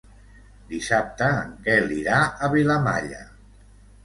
Dissabte en Quel irà a Vilamalla.